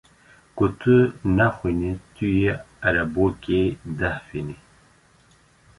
Ku tu nexwînî tu yê erebokê dehfînî.